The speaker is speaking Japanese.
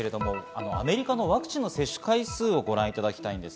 アメリカのワクチンの接種回数をご覧いただきます。